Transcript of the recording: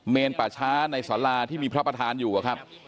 ป่าช้าในสาราที่มีพระประธานอยู่ครับ